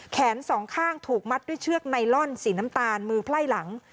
แขนสองข้างถูกมัดด้วยเชือกไนลอนสีน้ำตาลมือไพร่หลัง